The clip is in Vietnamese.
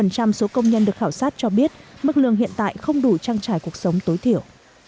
bảy mươi năm năm số công nhân được khảo sát cho biết mức lương hiện tại không đủ trang trải cuộc sống tối thiểu